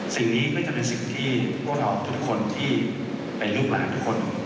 สิ่งนี้ก็จะเป็นสิ่งที่พวกเราทุกคนที่เป็นลูกหลานทุกคน